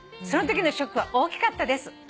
「そのときのショックは大きかったです」